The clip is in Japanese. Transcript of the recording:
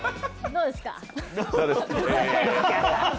どうですか？